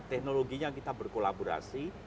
teknologinya kita berkolaborasi